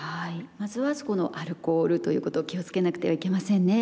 まずはそこのアルコールということを気をつけなくてはいけませんね。